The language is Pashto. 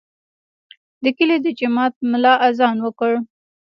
د کلي د جومات ملا اذان وکړ.